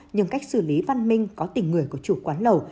nhưng cách xử lý văn minh có tình người của chủ quán lầu